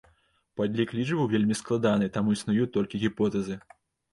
Падлік лічбаў вельмі складаны, таму існуюць толькі гіпотэзы.